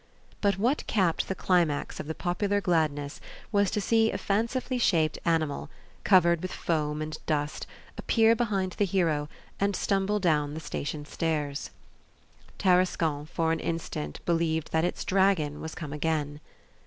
But what capped the climax of the popular gladness was to see a fancifully shaped animal, covered with foam and dust, appear behind the hero, and stumble down the station stairs. Tarascon for an instant believed that its dragon was come again.